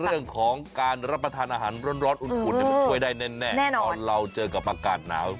เรื่องของการรับประทานอาหารร้อนอุ่นมันช่วยได้แน่นอนเราเจอกับอากาศหนาว